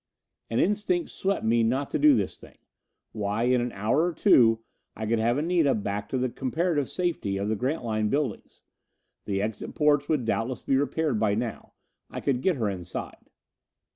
An instinct swept me not to do this thing. Why, in an hour or two I could have Anita back to the comparative safety of the Grantline buildings. The exit portes would doubtless be repaired by now. I could get her inside.